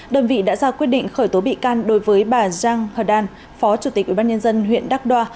đơn vị đã ra quyết định khởi tố bị can đối với bà giang hờ đan phó chủ tịch ủy ban nhân dân huyện đắk đoa